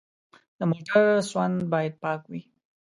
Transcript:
د موټر سوند باید پاک وي.